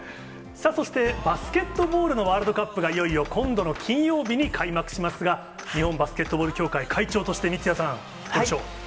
そして、バスケットボールのワールドカップがいよいよ今度の金曜日に開幕しますが、日本バスケットボール協会会長として三屋さん、どうでしょう。